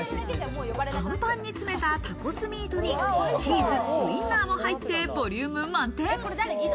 パンパンに詰めたタコスミートに、チーズ、ウィンナーも入ってボリューム満点。